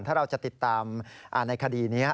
ถ้าเราจะติดตามในคดีนี้